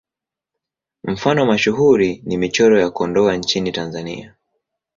Mfano mashuhuri ni Michoro ya Kondoa nchini Tanzania.